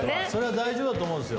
大丈夫だと思うんですよ。